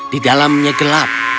di dalamnya gelap